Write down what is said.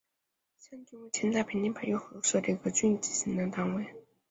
象郡为秦代在平定百越族后所设的一个郡级行政单位。